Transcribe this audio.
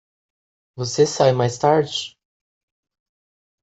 Você sai mais tarde?